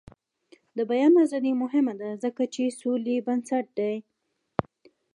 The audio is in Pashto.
د بیان ازادي مهمه ده ځکه چې د سولې بنسټ دی.